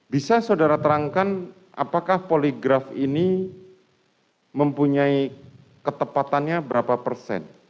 bisa saudara terangkan apakah poligraf ini mempunyai ketepatannya berapa persen